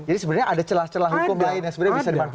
jadi sebenarnya ada celah celah hukum lain yang bisa dimanfaatkan